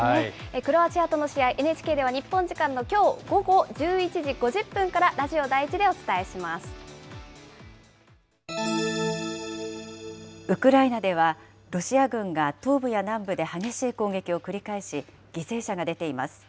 クロアチアとの試合、ＮＨＫでは日本時間のきょう午後１１時５０分からラジオ第１でおウクライナでは、ロシア軍が東部や南部で激しい攻撃を繰り返し、犠牲者が出ています。